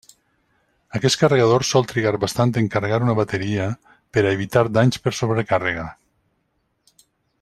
Aquest carregador sol trigar bastant en carregar una bateria per a evitar danys per sobrecàrrega.